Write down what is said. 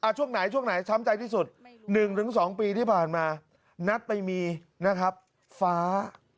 ช่วงไหนช่วงไหนช้ำใจที่สุด๑๒ปีที่ผ่านมานัดไปมีนะครับฟ้า